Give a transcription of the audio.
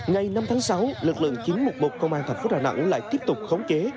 ngày năm tháng sáu lực lượng chín trăm một mươi một công an thành phố đà nẵng lại tiếp tục khống chế